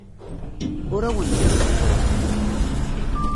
Ur awent-d-qeḍḍuɣ.